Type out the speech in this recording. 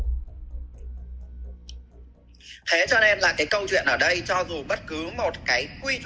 thế cho nên là cái câu chuyện ở đây